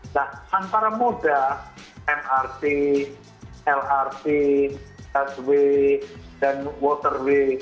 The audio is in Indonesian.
nah antara modal mrt lrt tasw dan waterway